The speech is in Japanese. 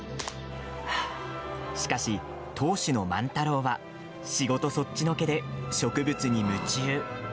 しかし、当主の万太郎は仕事そっちのけで植物に夢中。